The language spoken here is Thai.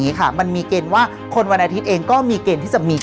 ค่ะมันมีเกณฑ์ว่าคนวันอาทิตย์เองก็มีเกณฑ์ที่จะมี